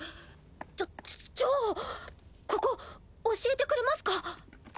じゃじゃあここ教えてくれますか？